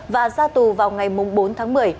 và ra tù vào ngày bốn tháng một mươi